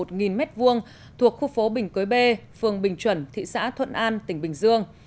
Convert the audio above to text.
thuộc khu phố bình cới bê phường bình chuẩn thị xã thuận an tỉnh bình dương